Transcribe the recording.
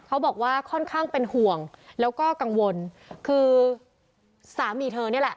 เขาบอกว่าค่อนข้างเป็นห่วงแล้วก็กังวลคือสามีเธอนี่แหละ